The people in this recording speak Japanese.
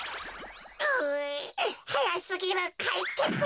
うはやすぎるかいけつ。